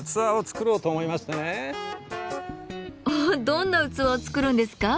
どんな器を作るんですか？